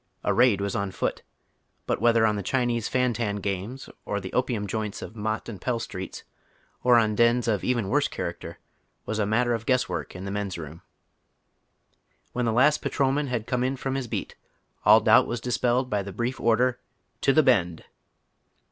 A raid was on foot, but whether on the Chinese fan tan games, on the opium joints of Mott and Pell Streets, or on dens of even worse character, was a matter of guess work in the men's room, Wiien the last patrol man had come in from his beat, all doubt was dispelled by the brief order "To t!ie Bend!"